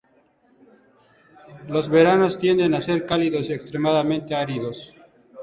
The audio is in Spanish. Los veranos tienden a ser cálidos y extremadamente áridos.